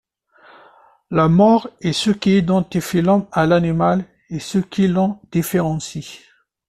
La mort est ce qui identifie l'homme à l'animal et ce qui l'en différencie.